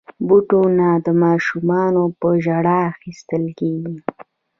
بوټونه د ماشومانو په ژړا اخیستل کېږي.